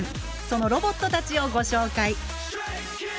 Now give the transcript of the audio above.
そのロボットたちをご紹介。